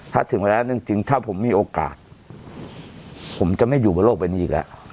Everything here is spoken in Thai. ถ้าถึงแล้วจริงถ้าผมมีโอกาสผมจะไม่อยู่บนโลกใบนี้อีกแล้ว